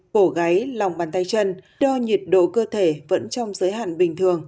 bổ gáy lòng bàn tay chân đo nhiệt độ cơ thể vẫn trong giới hạn bình thường